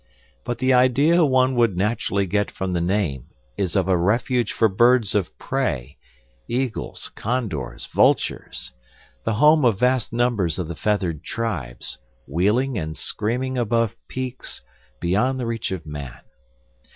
But the idea one would naturally get from the name is of a refuge for birds of prey, eagles, condors, vultures; the home of vast numbers of the feathered tribes, wheeling and screaming above peaks beyond the reach of man.